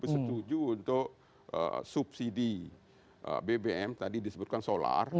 setuju untuk subsidi bbm tadi disebutkan solar